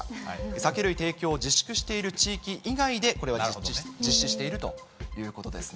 酒類提供を自粛している地域以外でこれを実施しているということですね。